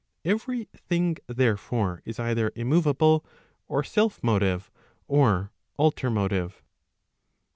Every thing therefore, is either immoveable, or self motive, or alter motive.